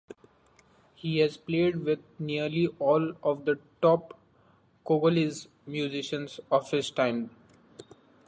He has played with nearly all of the top Congolese musicians of his time.